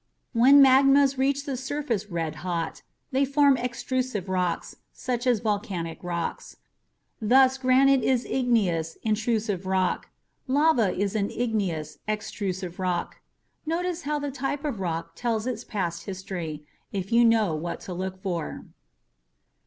When magmas reach the surface red hot, they form extrusive rocks, such as volcanic rocks. Thus, granite is an igneous, intrusive rock; lava is an igneous, extrusive rock. (Notice how the type of rock tells its past history if you know what to look for.)